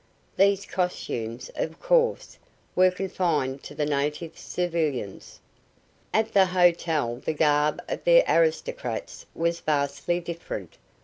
These costumes, of course, were confined to the native civilians. At the hotel the garb of the aristocrats was vastly different.